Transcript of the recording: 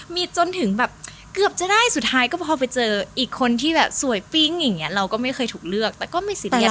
มีจนถึงแบบเกือบจะได้สุดท้ายก็พอไปเจออีกคนที่แบบสวยปิ๊งอย่างเงี้ยเราก็ไม่เคยถูกเลือกแต่ก็มีสิทธิ